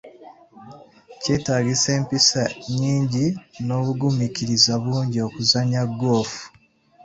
Kyetaagisa empisa nyingi n'obugumiikiriza bungi okuzannya ggoofu.